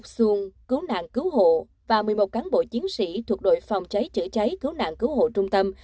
xuân cứu nạn cứu hộ và một mươi một cán bộ chiến sĩ thuộc đội phòng cháy chữa cháy cứu nạn cứu hộ trung tâm